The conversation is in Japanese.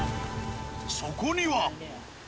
そこには。